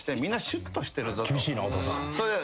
厳しいなお父さん。